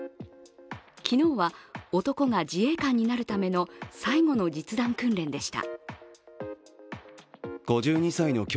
昨日は男が自衛官になるための最後の実弾訓練でした。